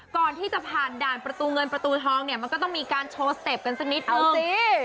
ก่อนที่จะผ่านด่านประตูเงินกูมักจะต้องโชว์สเตบกันสักนิดหนึ่ง